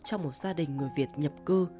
trong một gia đình người việt nhập cư